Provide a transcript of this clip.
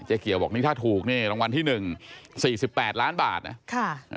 เจ๊เกียวบอกนี่ถ้าถูกรางวัลที่๑๔๘ล้านบาทนะ